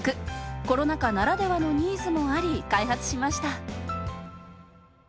コロナ禍ならではのニーズもあり開発しました。